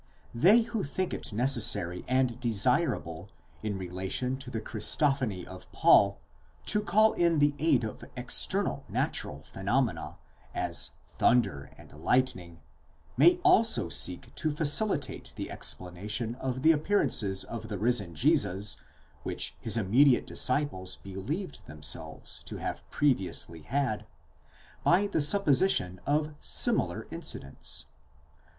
They who think it necessary and desirable in relation to the Christophany of Paul to call in the aid of external natural phenomena, as thunder and lightning, may also seek to facilitate the explanation of the appearances of the risen Jesus which his immediate disciples believed themselves to have previously had, by the supposition of similar incidents.